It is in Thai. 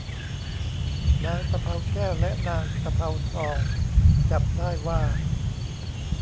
นางตะเภาแก้วและนางตะเภาทองจับได้ว่า